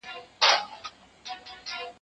سړي وویل زما ومنه که ښه کړې